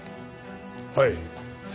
はい。